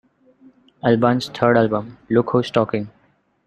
Alban's third album Look Who's Talking!